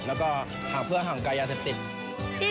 แล้วก็หากเพื่อห่างไกลยาเสพติด